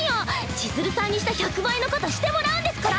千鶴さんにした１００倍のことしてもらうんですから。